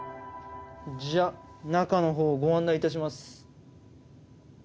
じゃ中の方ご案内いたします。